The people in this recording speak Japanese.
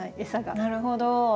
なるほど。